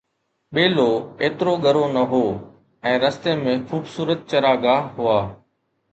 ٻيلو ايترو ڳرو نه هو ۽ رستي ۾ خوبصورت چراگاهه هئا